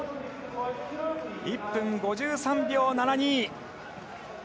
１分５３秒７２。